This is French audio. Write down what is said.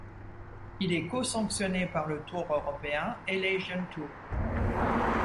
Il est co-sanctionné par le Tour européen et l'Asian Tour.